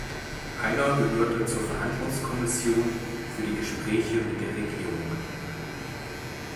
Einer gehörte zur Verhandlungskommission für die Gespräche mit der Regierung.